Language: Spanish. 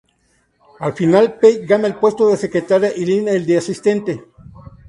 Al final Pei gana el puesto de secretaria y Lin el de asistente.